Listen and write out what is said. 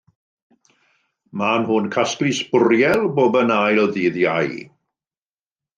Maen nhw'n casglu sbwriel bob yn ail ddydd Iau.